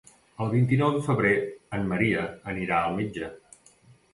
El vint-i-nou de febrer en Maria anirà al metge.